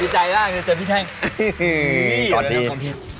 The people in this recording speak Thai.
ดีใจมากจะเจอพี่แท่ง